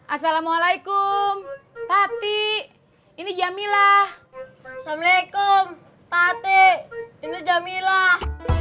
assalamualaikum tati ini jamilah assalamualaikum tati ini jamilah